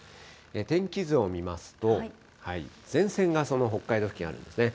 天気図を見ますと、前線がその北海道付近、あるんですね。